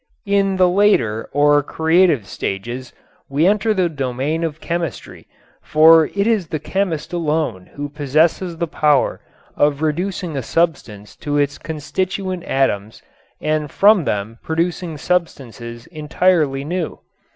In the later or creative stages we enter the domain of chemistry, for it is the chemist alone who possesses the power of reducing a substance to its constituent atoms and from them producing substances entirely new.